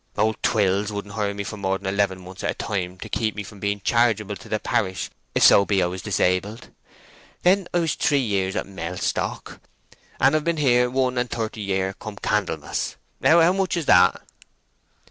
"Old Twills wouldn't hire me for more than eleven months at a time, to keep me from being chargeable to the parish if so be I was disabled. Then I was three year at Mellstock, and I've been here one and thirty year come Candlemas. How much is that?"